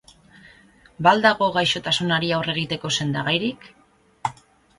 Ba al dago gaixotasunari aurre egiteko sendagairik?